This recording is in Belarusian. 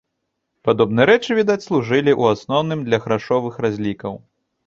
Падобныя рэчы, відаць, служылі ў асноўным для грашовых разлікаў.